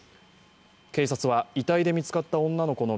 警察は遺体で見つかった女の子の